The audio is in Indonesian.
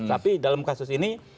tapi dalam kasus ini